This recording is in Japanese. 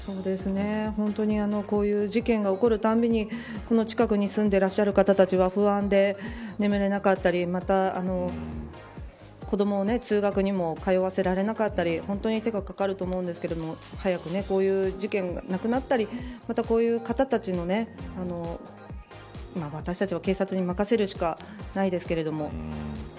本当にこういう事件が起こるたびに近くに住んでいらっしゃる方たちは不安で眠れなかったりまた子どもを通学にも通わせられなかったり本当に手がかかると思うんですけど早くこういう事件がなくなったりまた、こういう方たちの私たちは警察に任せるしかないですけれども。